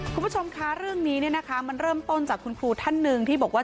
คุณผู้ชมคะเรื่องนี้เนี่ยนะคะมันเริ่มต้นจากคุณครูท่านหนึ่งที่บอกว่า